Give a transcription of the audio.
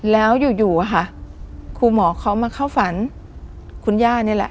แล้วอยู่อะค่ะครูหมอเขามาเข้าฝันคุณย่านี่แหละ